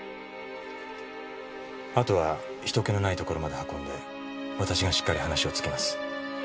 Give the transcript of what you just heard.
あとは人気のない所まで運んで私がしっかり話をつけます。